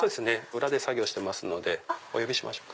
裏で作業してますのでお呼びしましょうか。